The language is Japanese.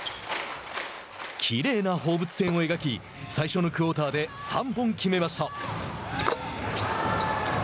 きれいな放物線を描き最初のクオーターで３本決めました。